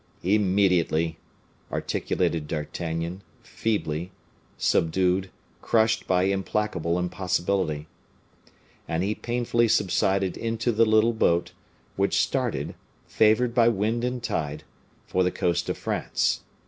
"Immediately!" articulated D'Artagnan, feebly, subdued, crushed by implacable impossibility. And he painfully subsided into the little boat, which started, favored by wind and tide, for the coast of France.